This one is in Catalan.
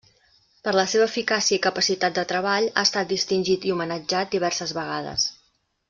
Per la seva eficàcia i capacitat de treball, ha estat distingit i homenatjat diverses vegades.